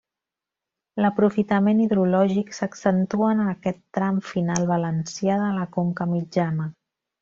L'aprofitament hidrològic s'accentua en aquest tram final valencià de la conca mitjana.